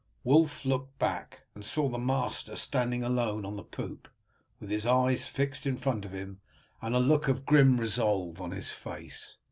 Wulf looked back, and saw the master standing alone on the poop, with his eyes fixed in front of him and a look of grim resolve on his face.